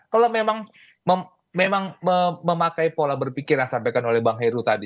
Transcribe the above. kalau memang memakai pola berpikir yang disampaikan oleh bang heru tadi